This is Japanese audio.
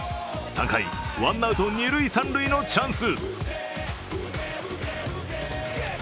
３回、ワンアウト２・３塁のチャンス。